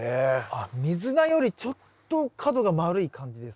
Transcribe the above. あっミズナよりちょっと角が丸い感じです。